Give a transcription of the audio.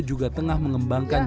sebagian petani masih berusaha menanam